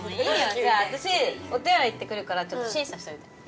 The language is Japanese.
じゃあ私お手洗い行って来るからちょっと審査しといて。